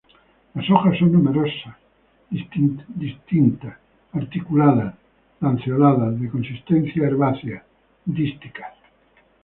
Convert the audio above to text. Las hojas son numerosas, dísticas, articuladas, lanceoladas, de consistencia herbácea.